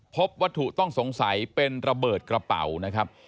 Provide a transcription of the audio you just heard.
พบวัตถุต้องสงสัยเป็นระเบิดกระเป๋านะครับ